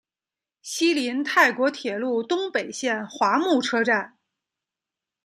西邻泰国铁路东北线华目车站。